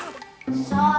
serang ke belakang